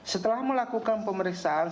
setelah melakukan pemeriksaan